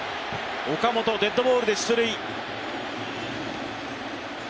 岡本、デッドボールで出塁。